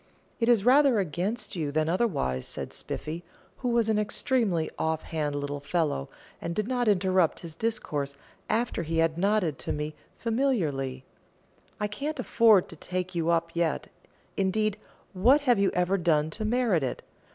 "It is rather against you than otherwise," said Spiffy, who was an extremely off hand little fellow, and did not interrupt his discourse after he had nodded to me familiarly; "I can't afford to take you up yet; indeed, what have you ever done to merit it?